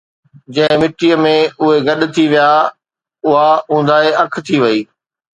جنهن مٽيءَ ۾ اهي گڏ ٿي ويا، اُها اونداهي اک ٿي وئي